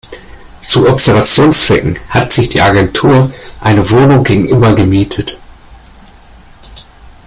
Zu Observationszwecken hat sich die Agentur eine Wohnung gegenüber gemietet.